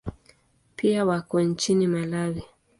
Pia wako nchini Malawi.